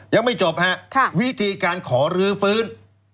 ยังไม่จบฮะวิธีการขอรื้อฟื้น